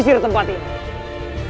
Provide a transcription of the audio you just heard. sisir tempat ini